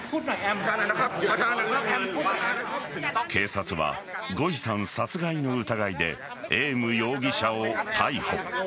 警察はゴイさん殺害の疑いでエーム容疑者を逮捕。